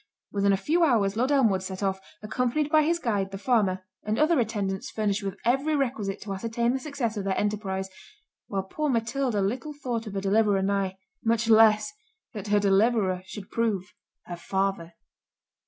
Within a few hours Lord Elmwood set off, accompanied by his guide, the farmer, and other attendants furnished with every requisite to ascertain the success of their enterprise—while poor Matilda little thought of a deliverer nigh, much less, that her deliverer should prove her father.